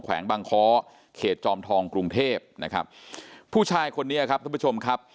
แขวงบางค้อเขตจอมทองกรุงเทพนะครับผู้ชายคนนี้ครับท่านผู้ชมครับ